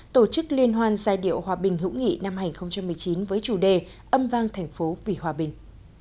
tổ chức liên hoan giai điệu hòa bình hữu nghị năm hai nghìn một mươi chín với chủ đề âm vang thành phố vì hòa bình